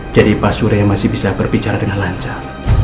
jadi pak surya masih bisa berbicara dengan lancar